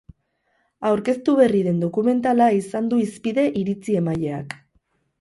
Aurkeztu berri den dokumentala izan du hizpide iritzi-emaileak.